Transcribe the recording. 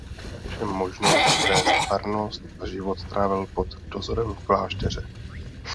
Ztratil ovšem možnost vést farnost a život trávil pod dozorem v klášteře.